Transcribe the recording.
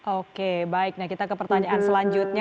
oke baik nah kita ke pertanyaan selanjutnya